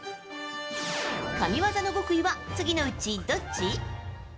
神技の極意は、次のうちどっち？